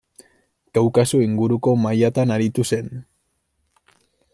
Kaukaso inguruko mailatan aritu zen.